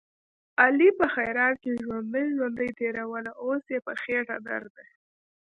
علي په خیرات کې ژوندۍ ژوندۍ تېروله، اوس یې په خېټه درد دی.